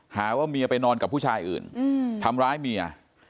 หาว่าเมียไปนอนกับผู้ชายอื่นทำร้ายเมีย